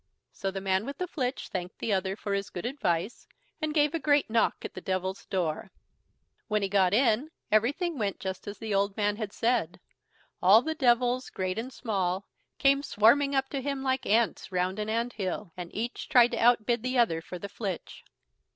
So the man with the flitch thanked the other for his good advice, and gave a great knock at the Devil's door. When he got in, everything went just as the old man had said. All the devils, great and small, came swarming up to him like ants round an anthill, and each tried to outbid the other for the flitch.